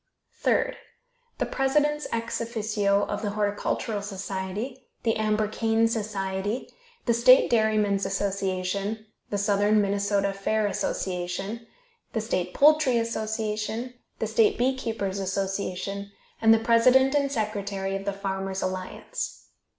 Third The presidents ex officio of the Horticultural Society, the Amber Cane Society, the State Dairymen's Association, the Southern Minnesota Fair Association, the State Poultry Association, the State Bee Keepers' Association, and the president and secretary of the Farmer's Alliance.